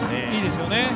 いいですよね。